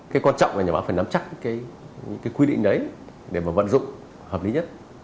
cái quan trọng là nhà báo phải nắm chắc cái quy định đấy để mà vận dụng hợp lý nhất